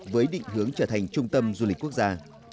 với định hướng trở thành trung tâm du lịch quốc gia